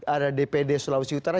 ada dpd sulawesi utara